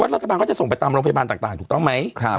รัฐบาลก็จะส่งไปตามโรงพยาบาลต่างถูกต้องไหม